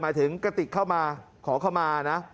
หมายถึงกระติกเข้ามาขอเข้ามานะ